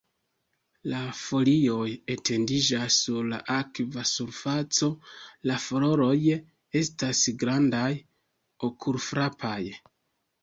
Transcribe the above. La folioj etendiĝas sur la akva surfaco, la floroj estas grandaj, okulfrapaj.